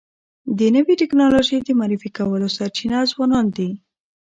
د نوي ټکنالوژۍ د معرفي کولو سرچینه ځوانان دي.